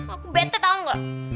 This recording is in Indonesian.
aku bete tau ga